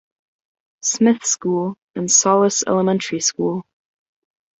Smith School, and Solace Elementary School.